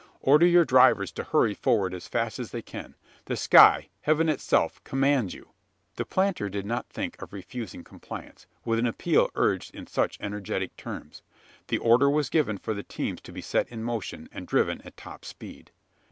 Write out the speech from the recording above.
Order your drivers to hurry forward as fast as they can! The sky heaven itself commands you!" The planter did not think of refusing compliance, with an appeal urged in such energetic terms. The order was given for the teams to be set in motion, and driven at top speed.